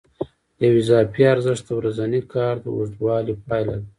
یو اضافي ارزښت د ورځني کار د اوږدوالي پایله ده